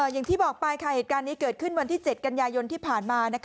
อย่างที่บอกไปค่ะเหตุการณ์นี้เกิดขึ้นวันที่๗กันยายนที่ผ่านมา